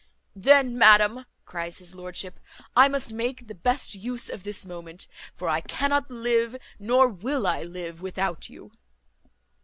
"Then, madam," cries his lordship, "I must make the best use of this moment; for I cannot live, nor will I live without you."